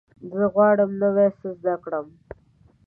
زه غواړم نوی څه زده کړم.